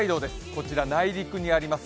こちら、内陸にあります